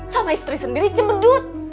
sama istri sendiri cembedut